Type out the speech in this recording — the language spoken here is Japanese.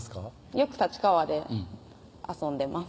よく立川で遊んでます